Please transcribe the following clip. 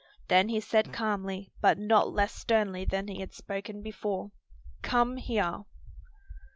Then he said calmly, but not less sternly than he had spoken before, "Come here."